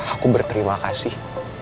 aku berterima kasih